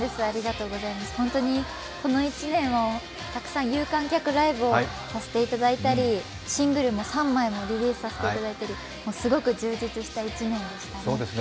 本当にこの１年たくさん有観客ライブをさせていただいたりシングルも３枚もリリースさせていただいたり、すごく充実した１年でしたね。